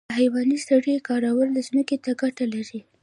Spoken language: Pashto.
د حیواني سرې کارول ځمکې ته ګټه لري